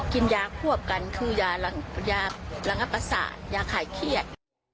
กินยาควบกันคือยายายาหลังอภัษายาข่ายเคียด